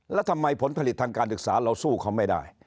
แล้วทำไมผลผลิตทางการศึกษาเราสู้เขาไม่ได้